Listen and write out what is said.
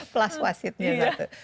plus wasitnya satu